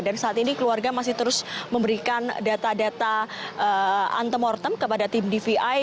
dan saat ini keluarga masih terus memberikan data data antemortem kepada tim dvi